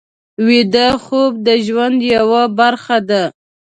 ویده خوب د ژوند یوه برخه ده